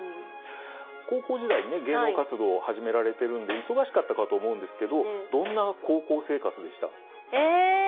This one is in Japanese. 高校時代ね芸能活動を始められてるんで忙しかったかと思うんですけどどんな高校生活でした？え？